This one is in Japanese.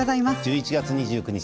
１１月２９日